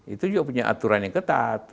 itu juga punya aturan yang ketat